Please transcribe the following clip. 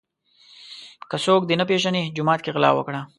ـ که څوک دې نه پیژني جومات کې غلا وکړه.